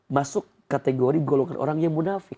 masuk kategori golongan orang yang munafik